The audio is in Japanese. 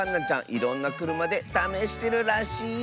いろんなくるまでためしてるらしいよ。